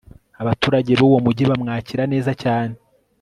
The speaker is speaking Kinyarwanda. abaturage b'uwo mugi bamwakira neza cyane